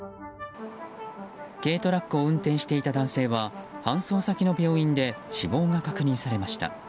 軽トラックを運転していた男性は搬送先の病院で死亡が確認されました。